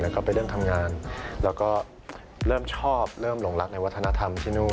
แล้วก็ไปเริ่มทำงานแล้วก็เริ่มชอบเริ่มหลงรักในวัฒนธรรมที่นู่น